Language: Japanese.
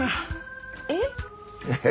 えっ？